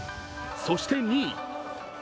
そして２位。